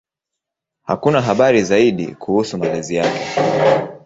Hakuna habari zaidi kuhusu malezi yake.